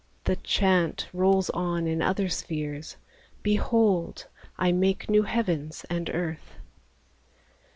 The chant rolls on in other spheres, "Behold, I make new heavens and earth!"